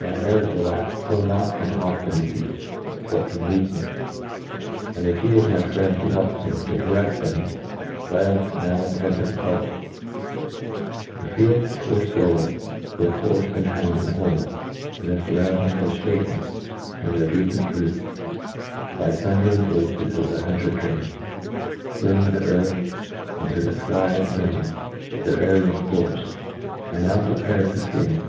My errors, alas! flow not from obftinacy, but from weaknefs ; and he is, my friend who helps mc to corroft them. — ^Let us now attend to the poet !*' The fields courfed o'er with horfe, and hound, and horn, and the furrounding hills ihaken from their deepcft roots by thundering voices of the hunter train— fpurning the earth, and to tho iky IN T R O b U G TI ON. \6i flcy afccnding, aerial fports, I now prepare to fing.